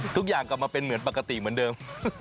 ทุกอย่างกลับมาเป็นเหมือนปกติเหมือนเดิม